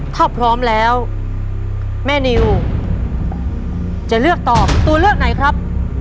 ถ้าพร้อมแล้วแม่นิวจะเลือกตอบตัวเลือกไหนครับ